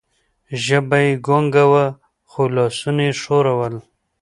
ژبه یې ګونګه وه، خو لاسونه یې ښورول.